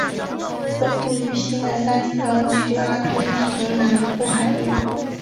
分布于西南大西洋区阿根廷南部海域。